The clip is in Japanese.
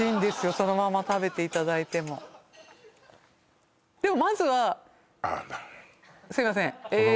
そのまま食べていただいてもすいませんえー